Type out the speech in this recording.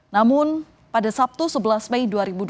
namun pada sabtu sebelas mei dua ribu dua puluh